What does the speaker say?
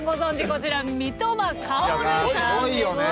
こちら三笘薫さんですね。